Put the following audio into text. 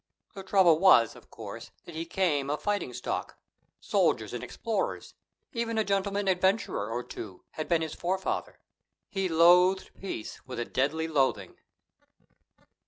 The trouble was, of course, that he came of fighting stock: soldiers and explorers, even a gentleman adventurer or two, had been his forefather. He loathed peace with a deadly loathing.